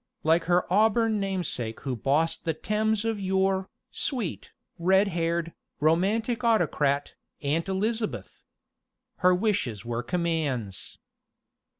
Like her auburn namesake who bossed the Thames of yore, sweet, red haired, romantic autocrat, Aunt Elizabeth! Her wishes were commands.